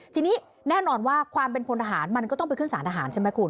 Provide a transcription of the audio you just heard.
ทีนี้แน่นอนว่าความเป็นพลทหารมันก็ต้องไปขึ้นสารทหารใช่ไหมคุณ